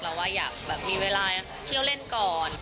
ว่าอยากแบบมีเวลาเที่ยวเล่นก่อน